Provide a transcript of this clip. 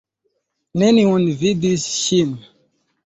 Neniu vidis ŝin.